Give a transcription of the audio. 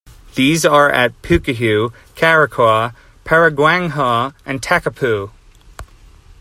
These are at Pukehou, Kairakau, Porangahau and Takapau.